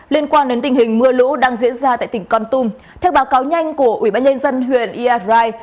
liên quan đến tình hình mưa lũ đang diễn ra tại tỉnh con tum theo báo cáo nhanh của ubnd huyện ia rai